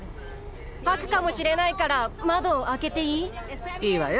吐くかもしれないから窓開けていい？